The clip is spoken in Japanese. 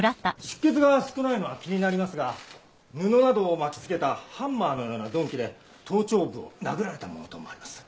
出血が少ないのは気になりますが布などを巻き付けたハンマーのような鈍器で頭頂部を殴られたものと思われます。